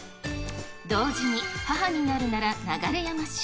同時に母になるなら、流山市。